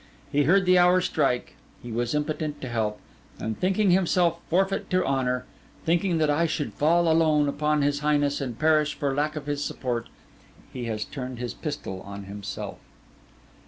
He heard the hour strike; he was impotent to help; and thinking himself forfeit to honour, thinking that I should fall alone upon his highness and perish for lack of his support, he has turned his pistol on himself.